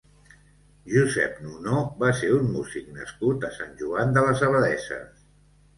Josep Nunó va ser un músic nascut a Sant Joan de les Abadesses.